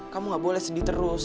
kamu gak boleh sedih terus